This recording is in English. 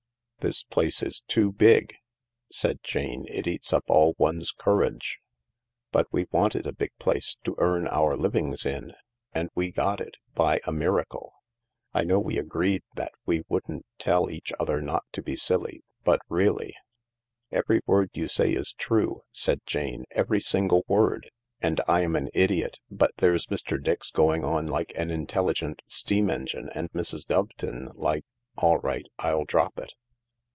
"This place is too big," said Jane. "It eats up all one's courage." " But we wanted a big place — to earn our living in. And we got it — by a miracle. I know we agreed that we wouldn't tell each other not to be silly. But really " Every word you say is true," said Jane—" every single word— and I am an idiot; but there's Mr, Dix going on like an intelligent steam engine, and Mrs. Doveton like— all right, I'll drop it.